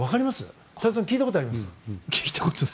太蔵さん聞いたことありますか？